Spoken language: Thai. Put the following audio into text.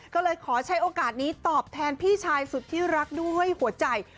ก็เลยขอใช้โอกาสนี้ตอบแทนพี่ชายสุดที่รักด้วยหัวใจ